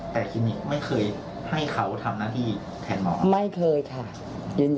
แต่คลินิกไม่เคยให้เขาทำหน้าที่แทนหมอ